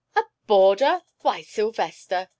"A boarder! Why, Sylvester!"